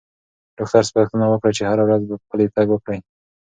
ډاکټر سپارښتنه وکړه چې هره ورځ پلی تګ وکړم.